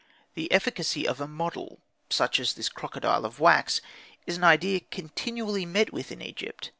The efficacy of a model, such as this crocodile of wax, is an idea continually met with in Egypt.